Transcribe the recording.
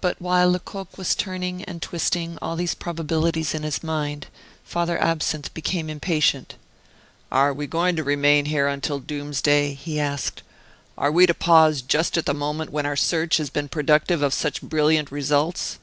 But while Lecoq was turning and twisting all these probabilities in his mind, Father Absinthe became impatient. "Are we going to remain here until doomsday?" he asked. "Are we to pause just at the moment when our search has been productive of such brilliant results?"